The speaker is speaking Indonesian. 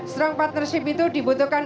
strong partnership itu dibutuhkan